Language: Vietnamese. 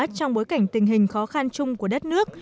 trong bối cảnh tình hình khó khăn chung của đất nước